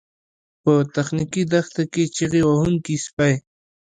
په تخنیکي دښته کې چیغې وهونکي سپي